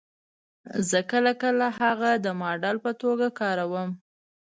زه کله کله هغه د ماډل په توګه کاروم